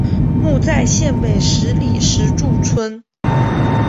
墓在县北十里石柱村。